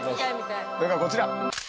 それがこちら。